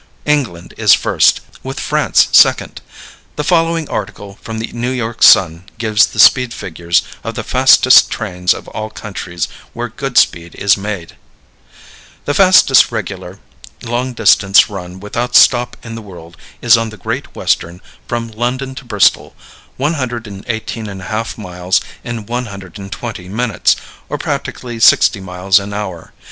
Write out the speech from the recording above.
England is first, with France second. The following article from the New York Sun gives the speed figures of the fastest trains of all countries where good speed is made: The fastest regular long distance run without stop in the world is on the Great Western, from London to Bristol, 118½ miles in 120 minutes, or practically sixty miles an hour.